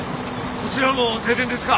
こちらも停電ですか？